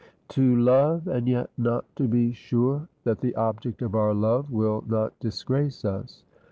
To love, and yet not to be sure that the object of our love will not disgrace us.